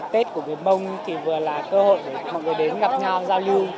tết của người mông thì vừa là cơ hội để mọi người đến gặp nhau giao lưu